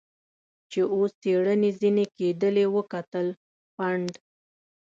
چې اوس څېړنې ځنې کېدلې وکتل، پنډ.